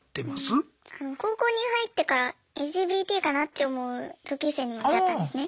高校に入ってからＬＧＢＴかなって思う同級生にも出会ったんですね。